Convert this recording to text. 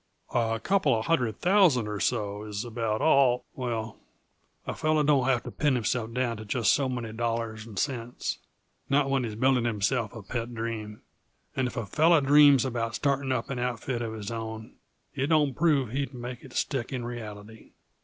"A couple of hundred thousand or so, is about all " "Well, a fellow don't have to pin himself down to just so many dollars and cents not when he's building himself a pet dream. And if a fellow dreams about starting up an outfit of his own, it don't prove he'd make it stick in reality."